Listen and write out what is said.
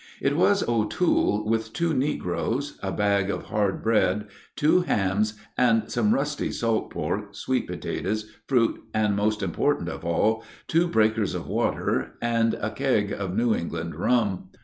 It was O'Toole with two negroes, a bag of hard bread, two hams, some rusty salt pork, sweet potatoes, fruit, and, most important of all, two breakers of water and a keg of New England rum.